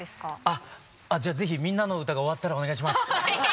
あじゃあ是非「みんなのうた」が終わったらお願いします。